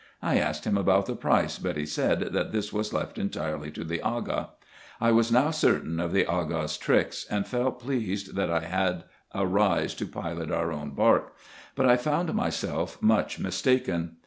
I asked him about the price, but he said, that this was left entirely to the Aga. I was now certain of the Aga's 64 RESEARCHES AND OPERATIONS tricks, and felt pleased, that I had a Eeis to pilot our own bark ; but I found myself much mistaken.